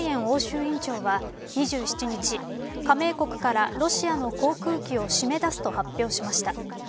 欧州委員長は２７日加盟国からロシアの航空機を締め出すと発表しました。